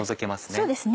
そうですね